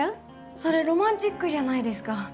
それロマンチックじゃないですか。